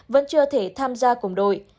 vẫn chưa thể tham gia cùng đội